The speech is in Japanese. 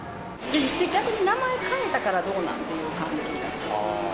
逆に名前変えたからどうなん？って感じがします。